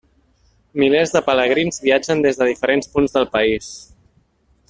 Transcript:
Milers de pelegrins viatgen des de diferents punts del país.